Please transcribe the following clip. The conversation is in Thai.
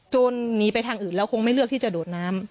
หนีไปทางอื่นแล้วคงไม่เลือกที่จะโดดน้ำ